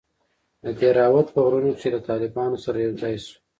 د دهراوت په غرونوکښې له طالبانو سره يوځاى سو.